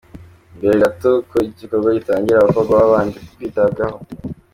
Mbere gato ko igikorwa gitangira abakobwa babanje kwitabwaho.